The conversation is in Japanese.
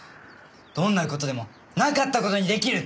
どんな事でもなかった事に出来るって！